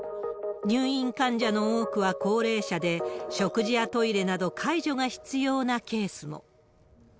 入院患者の多くは高齢者で、食事やトイレなど介助が必要なケースも。